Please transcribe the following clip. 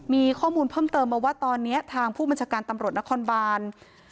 มีข้อมูลเพิ่มเติมมาว่าตอนนี้ทางผู้บัญชาการตำรวจนครบาน